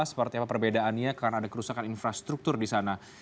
seperti apa perbedaannya karena ada kerusakan infrastruktur di sana